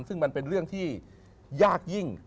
ซึ่งมันเป็นเรื่องที่ยากยิ่ง